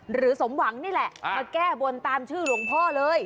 สมหวังนี่แหละมาแก้บนตามชื่อหลวงพ่อเลย